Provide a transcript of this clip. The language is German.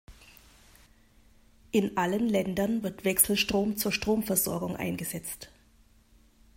In allen Ländern wird Wechselstrom zur Stromversorgung eingesetzt.